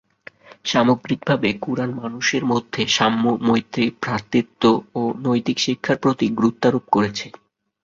সামগ্রিকভাবে কুরআন মানুষের মধ্যে সাম্য, মৈত্রী, ভ্রাতৃত্ব ও নৈতিক শিক্ষার প্রতি গুরুত্বারোপ করেছে।